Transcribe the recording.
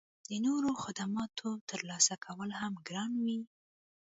د نورو خدماتو ترلاسه کول هم ګران وي